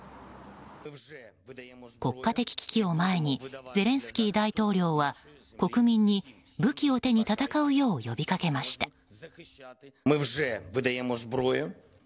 国家的危機を前にゼレンスキー大統領は国民に武器を手に戦うよう呼びかけました。